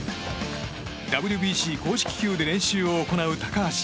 ＷＢＣ公式球で練習を行う高橋。